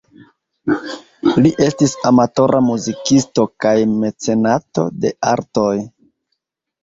Li estis amatora muzikisto kaj mecenato de artoj.